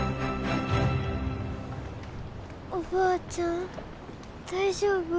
おばあちゃん大丈夫？